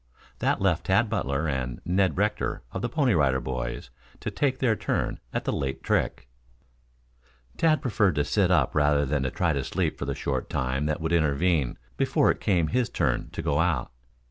That left Tad Butler and Ned Rector of the Pony Rider Boys, to take their turn on the late trick. Tad preferred to sit up rather than to try to sleep for the short time that would intervene before it came his turn to go out.